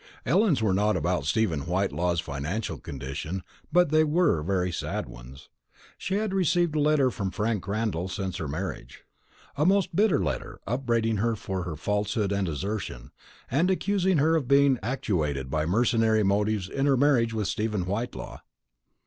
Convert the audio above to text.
Ellen's were not about Stephen Whitelaw's financial condition, but they were very sad ones. She had received a letter from Frank Randall since her marriage; a most bitter letter, upbraiding her for her falsehood and desertion, and accusing her of being actuated by mercenary motives in her marriage with Stephen Whitelaw.